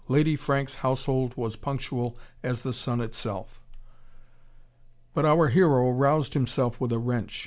Lady Franks' household was punctual as the sun itself. But our hero roused himself with a wrench.